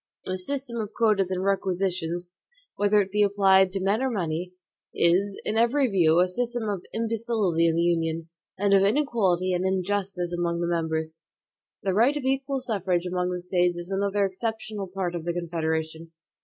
The system of quotas and requisitions, whether it be applied to men or money, is, in every view, a system of imbecility in the Union, and of inequality and injustice among the members. The right of equal suffrage among the States is another exceptionable part of the Confederation.